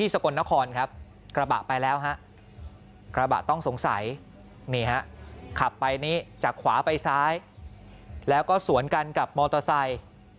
สกลนครครับกระบะไปแล้วฮะกระบะต้องสงสัยนี่ฮะขับไปนี้จากขวาไปซ้ายแล้วก็สวนกันกับมอเตอร์ไซค์